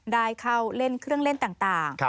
ได้เข้าเล่นเครื่องเล่นต่าง